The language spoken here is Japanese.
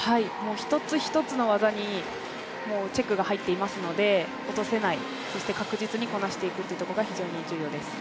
一つ一つの技にチェックが入っていますので落とせない、そして確実にこなしていくことが非常に重要です。